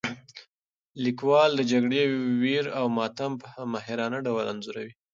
لیکوال د جګړې ویر او ماتم په ماهرانه ډول انځوروي.